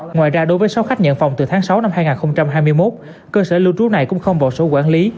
ngoài ra đối với sáu khách nhận phòng từ tháng sáu năm hai nghìn hai mươi một cơ sở lưu trú này cũng không vào sổ quản lý